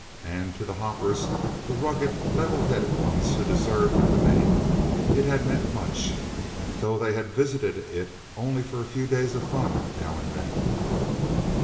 And to the hoppers the rugged, level headed ones who deserved the name it had meant much, though they had visited it for only a few days of fun, now and then.